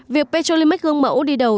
việc petrolimax gương mẫu đi đầu